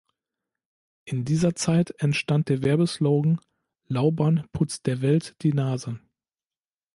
In dieser Zeit entstand der Werbeslogan "Lauban putzt der Welt die Nase".